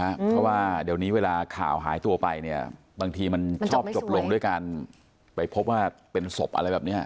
เพราะว่าเดี๋ยวนี้เวลาข่าวหายไปบางทีมันส่องจบลงไปพบว่าเป็นศพอะไรแบบนี้